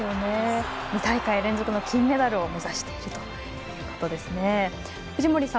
２大会連続の金メダルを目指しているということですね。